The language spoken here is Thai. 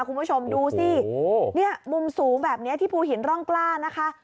คุณผู้ชมดูสิเนี่ยมุมสูงแบบนี้ที่ภูหินร่องกล้านะคะ